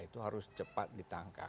itu harus cepat ditangkap